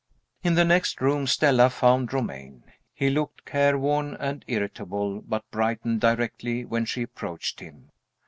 In the next room Stella found Romayne. He looked careworn and irritable, but brightened directly when she approached him.